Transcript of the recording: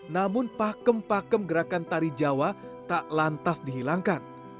namun pakem pakem gerakan tari jawa tak lantas dihilangkan